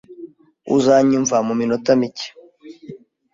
Uzanyumva muminota mike?